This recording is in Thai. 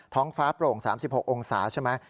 ท้องฟ้าโปร่ง๓๖องศาใช่ไหม